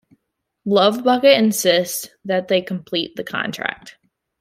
Lovebucket insists that they complete the contract.